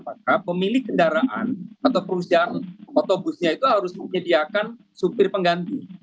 maka pemilik kendaraan atau perusahaan otobusnya itu harus menyediakan supir pengganti